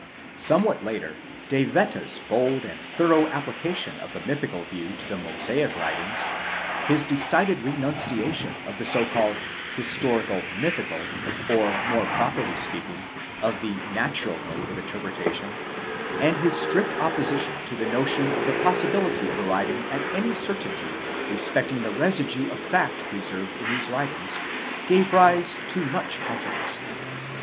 Somewhat later De Wette's bold and thorough application of the mythical view to the Mosaic writings ; his decided renunciation of the so called Azstori cal mythical, or more properly speaking of the natural mode of interpretation ; and his strict opposition to the notion of the possibility of arriving at any certainty respecting the residue of fact preserved in these writings, gave rise to much controversy.